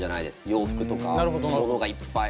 洋服とか物がいっぱい。